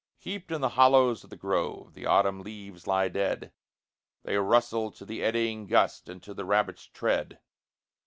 Heaped in the hollows of the grove, the autumn leaves lie dead; They rustle to the eddying gust, and to the rabbit's tread.